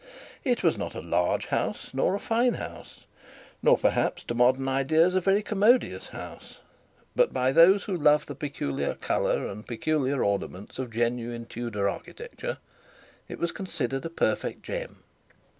It was not a large house, nor a fine house, nor perhaps to modern ideas a very commodious house; but by those who love the peculiar colour and peculiar ornaments of genuine Tudor architecture it was considered a perfect gem.